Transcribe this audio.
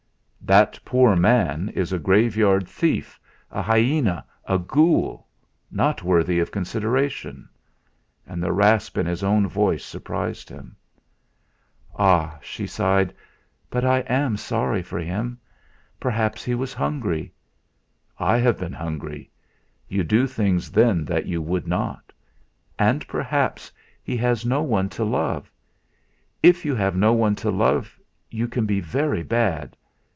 "That poor man is a graveyard thief; a hyena; a ghoul not worth consideration." And the rasp in his own voice surprised him. "Ah!" she sighed. "But I am sorry for him. Perhaps he was hungry. I have been hungry you do things then that you would not. And perhaps he has no one to love; if you have no one to love you can be very bad.